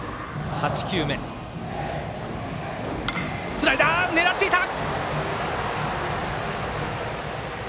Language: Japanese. スライダー、狙っていた！